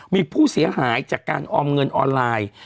มีผู้เสียหายจากการออมเงินออนไลน์